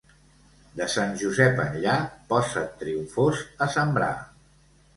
De Sant Josep enllà posa't trumfos a sembrar.